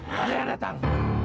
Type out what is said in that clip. badai yang datang